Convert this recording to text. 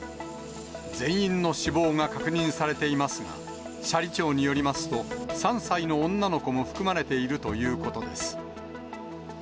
全員の死亡が確認されていますが、斜里町によりますと、３歳の女の子も含まれているということです。